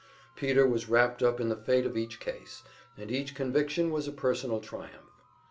Peter was wrapped up in the fate of each case, and each conviction was a personal triumph.